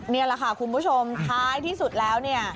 นี่แหละค่ะคุณผู้ชมท้ายที่สุดแล้วเนี่ย